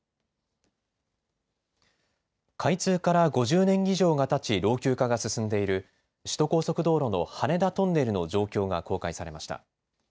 開通から５０年以上がたち老朽化が進んでいる首都高速道路の羽田トンネルの状況が公開されました。